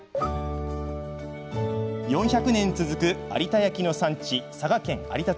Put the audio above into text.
４００年続く有田焼の産地、佐賀県有田町。